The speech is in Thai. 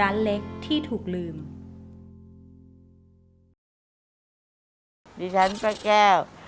สวัสดีครับพระแก้ว